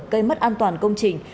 cây mất an toàn công trình